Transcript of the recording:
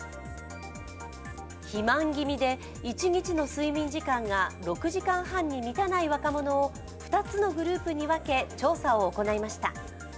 肥満気味で一日の睡眠時間が６時間半に満たない若者を２つのグループに分け調査を行いました。